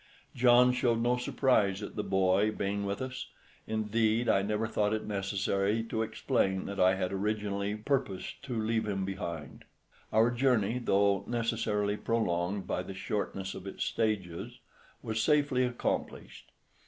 John showed no surprise at the boy being with us; indeed I never thought it necessary to explain that I had originally purposed to leave him behind. Our journey, though necessarily prolonged by the shortness of its stages, was safely accomplished.